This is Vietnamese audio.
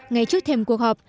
ngay trước thềm cuộc họp